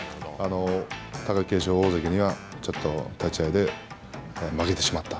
貴景勝、大関にはちょっと立ち合いで負けてしまった。